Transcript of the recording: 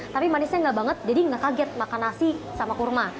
tapi manisnya enggak banget jadi nggak kaget makan nasi sama kurma